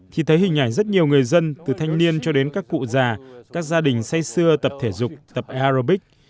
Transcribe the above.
khi thấy hình ảnh rất nhiều người dân từ thanh niên cho đến các cụ già các gia đình say xưa tập thể dục tập arobic